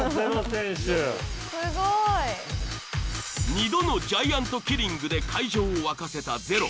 二度のジャイアントキリングで会場を沸かせたｚｅｒｏ。